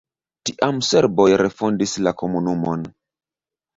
Tiam serboj refondis la komunumon.